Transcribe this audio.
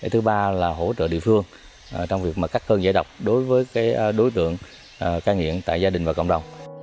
thứ ba là hỗ trợ địa phương trong việc cắt hơn giải độc đối với đối tượng ca nghiện tại gia đình và cộng đồng